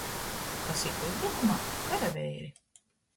Kas īt uzbrukumā? Karaveiri!